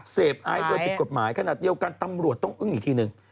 ไอโดยผิดกฎหมายขนาดเดียวกันตำรวจต้องอึ้งอีกทีหนึ่ง